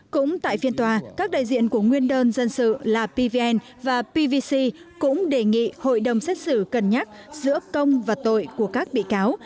cũng tại phiên tòa các đại diện của nguyên đơn dân sự là pvn và pvc cũng đề nghị hội đồng xét xử cân nhắc giữa công và tội của các bị cáo